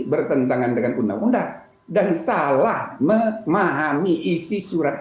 bertentangan dengan undang undang dan salah memahami isi surat